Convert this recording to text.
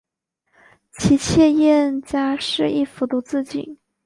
其妾燕佳氏亦服毒自尽。